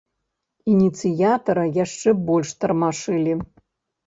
Ініцыятара яшчэ больш тармашылі.